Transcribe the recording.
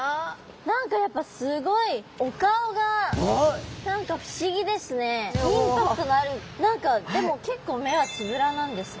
何かやっぱすごいインパクトのある何かでも結構目はつぶらなんですね。